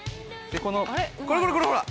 これこれこれほら。